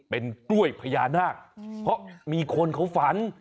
เป็นกล้วยพญานาคเพราะมีคนเขาฝัน